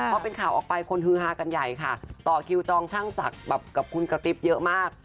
พอเป็นข่าวออกไปคนฮือฮากันใหญ่ค่ะต่อคิวจองช่างศักดิ์แบบกับคุณกระติ๊บเยอะมาก